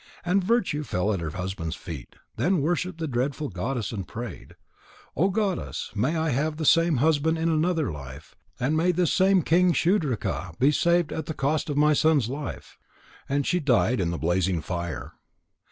And Virtue fell at her husband's feet, then worshipped the Dreadful Goddess, and prayed: "O Goddess, may I have the same husband in another life, and may this same King Shudraka be saved at the cost of my son's life." And she died in the blazing fire.